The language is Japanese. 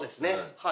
はい。